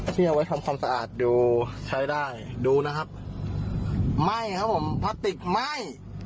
ที่เอาไว้ทำความสะอาดดูใช้ได้ดูนะครับไหม้ครับผมพลาสติกไหม้